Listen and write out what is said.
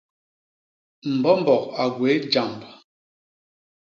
Mbombok a gwéé jamb.